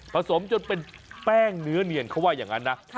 สมจนเป็นแป้งเนื้อเนียนเขาว่าอย่างนั้นนะ